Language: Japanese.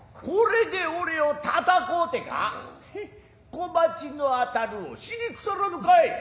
子罰のあたるを知りくさらぬかい。